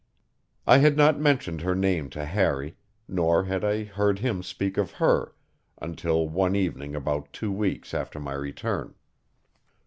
I had not mentioned her name to Harry, nor had I heard him speak of her, until one evening about two weeks after my return.